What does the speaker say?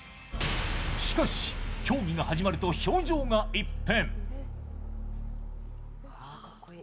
しかし競技が始まると表情が一変。